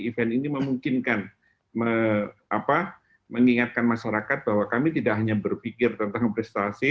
event ini memungkinkan mengingatkan masyarakat bahwa kami tidak hanya berpikir tentang prestasi